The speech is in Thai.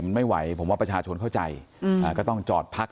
มันไม่ไหวผมว่าประชาชนเข้าใจก็ต้องจอดพัก